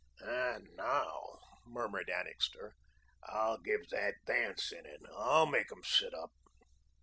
"And, now," murmured Annixter, "I'll give that dance in it. I'll make 'em sit up."